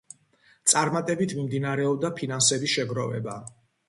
წარმატებით მიმდინარეობდა ფინანსების შეგროვება.